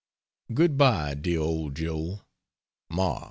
Good bye, dear old Joe!